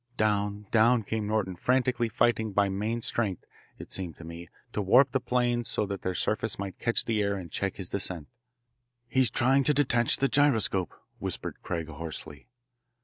Down, down came Norton, frantically fighting by main strength, it seemed to me, to warp the planes so that their surface might catch the air and check his descent. "He's trying to detach the gyroscope," whispered Craig hoarsely.